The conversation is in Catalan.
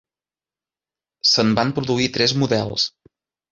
Se'n van produir tres models.